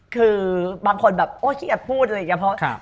คือบางคนแบบโอเคอย่าพูดอะไรอย่างนี้